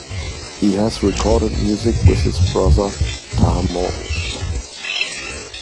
He has recorded music with his brother Tarmo Urb.